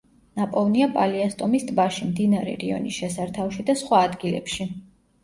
ნაპოვნია პალიასტომის ტბაში, მდინარე რიონის შესართავში და სხვა ადგილებში.